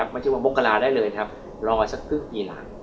ไม่ใช่บาคบงกราได้เลยครับรอสักครึ่งปีหลัง